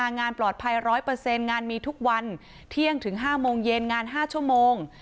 งานปลอดภัย๑๐๐งานมีทุกวันเที่ยงถึง๕โมงเย็นงาน๕ชั่วโมง